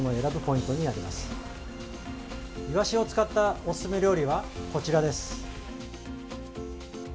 イワシを使ったおすすめ料理はこちらです。